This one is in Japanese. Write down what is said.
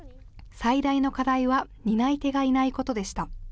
最大の課題は担い手がいないことでした。